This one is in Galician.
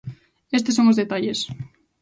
Estes son os detalles.